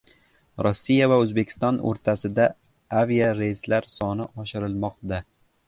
Rossiya va O‘zbekiston o‘rtasida aviareyslar soni oshirilmoqda